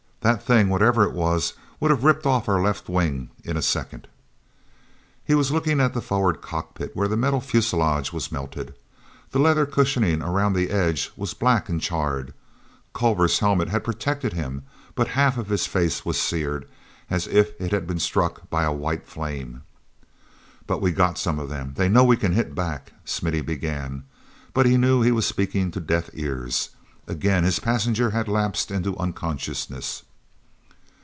That thing, whatever it was, would have ripped our left wing off in a second." He was looking at the forward cockpit where the metal fuselage was melted. The leather cushioning around the edge was black and charred. Culver's helmet had protected him, but half of his face was seared as if it had been struck by a white flame. "But we got some of them: they know we can hit back...." Smithy began, but knew he was speaking to deaf ears. Again his passenger had lapsed into unconsciousness.